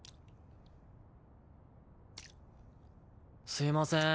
すいません。